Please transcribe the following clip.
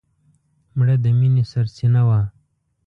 مړه د مینې سرڅینه وه